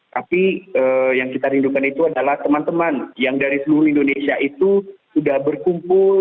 tapi yang kita rindukan itu adalah teman teman yang dari seluruh indonesia itu sudah berkumpul